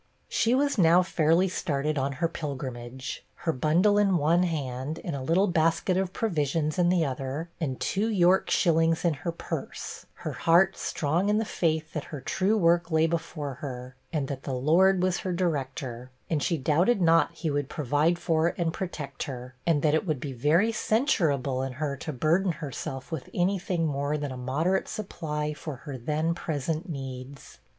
She was now fairly started on her pilgrimage; her bundle in one hand, and a little basket of provisions in the other, and two York shillings in her purse her heart strong in the faith that her true work lay before her, and that the Lord was her director; and she doubted not he would provide for and protect her, and that it would be very censurable in her to burden herself with any thing more than a moderate supply for her then present needs.